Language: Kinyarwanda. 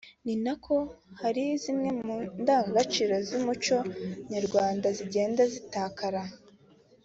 ni na ko hari zimwe mu ndangagaciro z’umuco nyarwanda zigenda zitakara